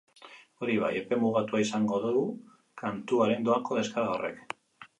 Hori bai, epe mugatua izango du kantuaren doako deskarga horrek.